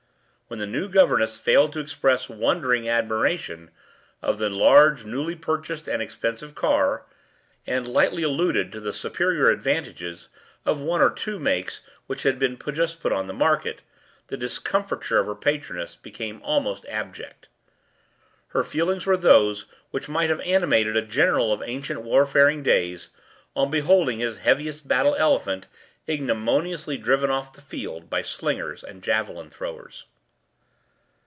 When the new governess failed to express wondering admiration of the large newly purchased and expensive car, and lightly alluded to the superior advantages of one or two makes which had just been put on the market, the discomfiture of her patroness became almost abject. Her feelings were those which might have animated a general of ancient warfaring days, on beholding his heaviest battle elephant ignominiously driven off the field by slingers and javelin throwers.